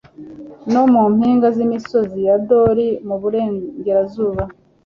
no mu mpinga z'imisozi ya dori mu burengerazuba